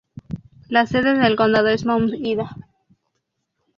La sede del condado es Mount Ida.